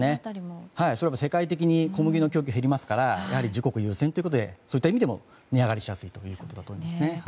世界的に小麦の供給が減りますから自国優先という意味でも値上がりしやすいということだと思いますね。